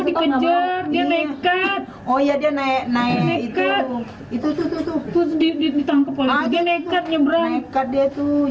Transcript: di negeri oh ya dia naik naik itu itu tuh ditangkap oleh mereka tiga mereka dia tuh